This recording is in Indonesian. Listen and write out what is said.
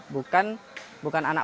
bukan anak panah